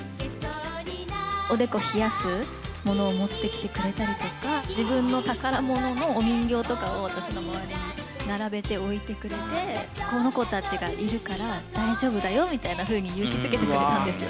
おでこ冷やすものを持ってきてくれたりとか、自分の宝物のお人形とかを、私の周りに並べて置いてくれて、この子たちがいるから、大丈夫だよみたいなふうに勇気づけてくれたんですよ。